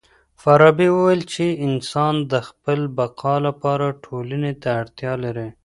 فارابي وويل چي انسان د خپل بقا لپاره ټولني ته اړتيا لري.